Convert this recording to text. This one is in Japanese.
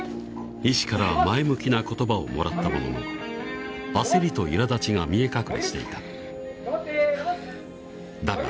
医師から前向きな言葉をもらったものの焦りといらだちが見え隠れしていた頑張って伸ばす！